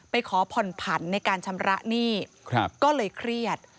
ขอผ่อนผันในการชำระหนี้ก็เลยเครียด